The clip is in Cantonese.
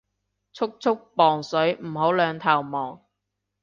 速速磅水唔好兩頭望